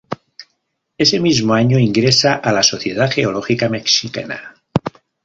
Ese mismo año ingresa a la Sociedad Geológica Mexicana.